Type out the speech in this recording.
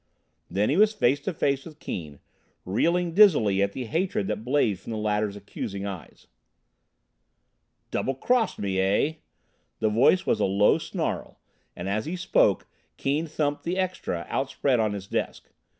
Then he was face to face with Keane, reeling dizzily at the hatred that blazed from the latter's accusing eyes. "Double crossed me, eh!" The voice was a low snarl, and as he spoke Keane thumped the extra outspread on his desk.